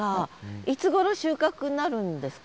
いつごろ収穫になるんですか？